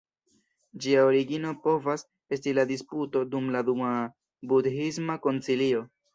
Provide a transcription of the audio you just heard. Ĝia origino povas esti la disputo dum la Dua Budhisma Koncilio.